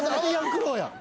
クローやん。